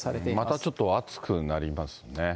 またちょっと暑くなりますね。